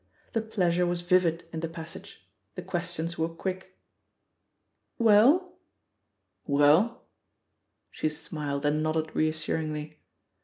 The pleasure was vivid in the passage, the ques tions were quick. "WeUr* "WeU?" She smiled and nodded reassuringly.